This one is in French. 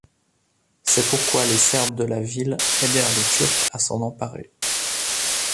C'est pourquoi les Serbes de la ville aidèrent les Turcs à s'en emparer.